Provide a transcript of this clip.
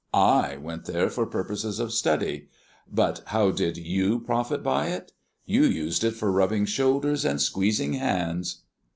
I went there for purposes of study; but how did you profit by it? You used it for rubbing shoulders and squeezing hands."